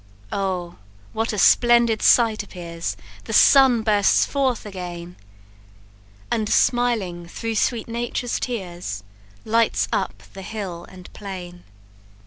Oh, what a splendid sight appears! The sun bursts forth again; And, smiling through sweet Nature's tears, Lights up the hill and plain.